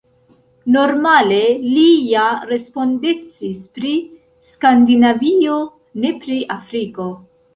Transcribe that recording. Normale li ja respondecis pri Skandinavio, ne pri Afriko.